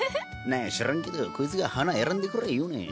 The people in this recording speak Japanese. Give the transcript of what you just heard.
なんや知らんけどこいつが花選んでくれ言うねん。